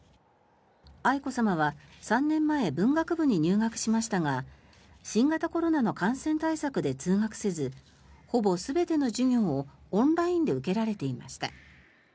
愛子さまは３年前、文学部に入学しましたが新型コロナの感染対策で通学せずほぼ全ての授業をオンラインで受けられていました。